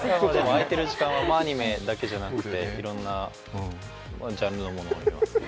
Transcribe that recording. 空いてる時間はアニメだけじゃなくて、いろんなジャンルのものを見ますね。